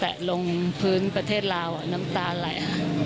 แตะลงพื้นประเทศลาวน้ำตาอะไรอ่ะ